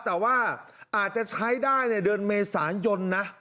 แต่ว่าอาจจะใช้ได้ในเดือนเมษายนนะ